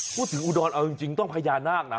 พูดถึงอุดรเอาจริงต้องพญานาคนะ